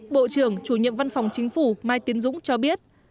bộ trưởng chủ nhiệm văn phòng chính phủ mai tiến dũng cho biết